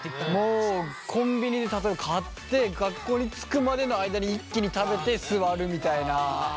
もうコンビニで例えば買って学校に着くまでの間に一気に食べて座るみたいな。